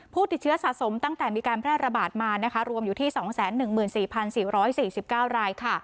ผู้ติดเชื้อสะสมตั้งแต่มีการแพร่ระบาดมารวมอยู่ที่๒๑๔๔๔๙ราย